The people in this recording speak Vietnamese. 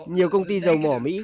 nhiều công ty dầu mỏ mỹ